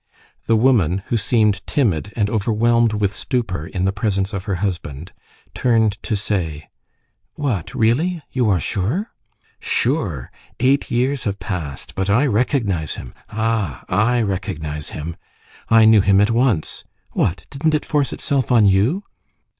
The woman, who seemed timid and overwhelmed with stupor in the presence of her husband, turned to say:— "What, really? You are sure?" "Sure! Eight years have passed! But I recognize him! Ah! I recognize him. I knew him at once! What! Didn't it force itself on you?"